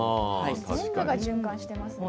全部が循環してますね。